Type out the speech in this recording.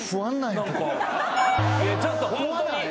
・ちょっとホントに。